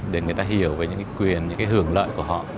để người ta hiểu về những quyền những cái hưởng lợi của họ